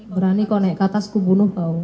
berani kau naik ke atas ku bunuh kau